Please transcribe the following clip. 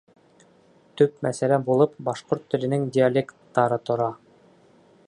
Төп мәсьәлә булып башҡорт теленең диалекттары тора.